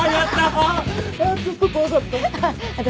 ああちょっと怖かった。